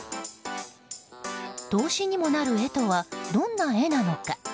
投資にもなる絵とはどんな絵なのか？